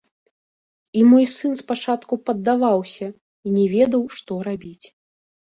І мой сын спачатку паддаваўся і не ведаў, што рабіць.